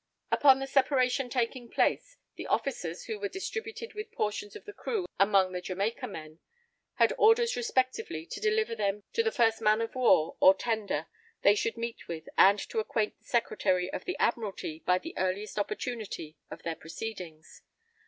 Upon their separation taking place, the officers, who were distributed with portions of the crew among the Jamaica men, had orders respectively to deliver them to the first man of war or tender they should meet with, and to acquaint the Secretary of the Admiralty, by the earliest opportunity, of their proceedings.